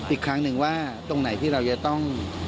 อีกครั้งหนึ่งว่าตรงไหนที่เราจะต้อง